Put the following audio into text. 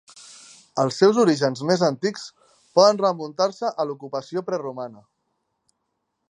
Els seus orígens més antics poden remuntar-se a l'ocupació preromana.